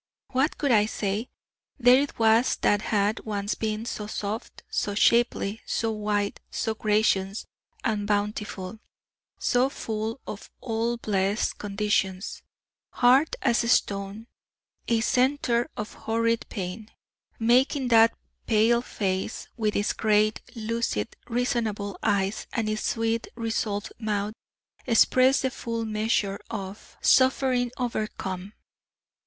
What could I say? There it was that had once been so soft, so shapely, so white, so gracious and bountiful, so "full of all blessed conditions" hard as a stone, a centre of horrid pain, making that pale face, with its gray, lucid, reasonable eyes, and its sweet resolved mouth, express the full measure of suffering overcome.